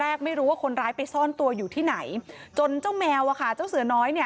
อันนี้ผู้หญิงบอกว่าช่วยด้วยหนูไม่ได้เป็นอะไรกันเขาจะปั้มหนูอะไรอย่างนี้